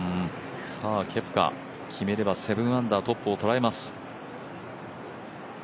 ケプカ、決めれば７アンダー、トップを捉えます。